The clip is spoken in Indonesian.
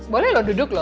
boleh lo duduk lo